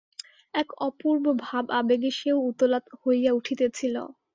এক অপূর্ব ভাবাবেগে সেও উতলা হইয়া উঠিতেছিল।